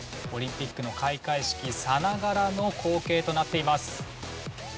オリンピックの開会式さながらの光景となっています。